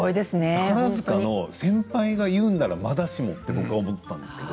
宝塚の先輩が言うならまだしもと僕は思ったんですけれど。